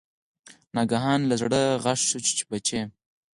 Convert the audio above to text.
ناګهانه له زړه غږ شو چې بچیه!